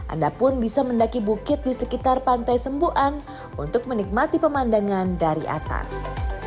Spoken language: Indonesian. anda pun bisa mendaki bukit di sekitar pantai sembuan untuk menikmati pemandangan dari atas